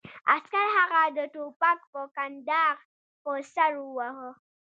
عسکر هغه د ټوپک په کنداغ په سر وواهه